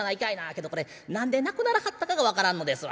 けどこれ何で亡くならはったかが分からんのですわ。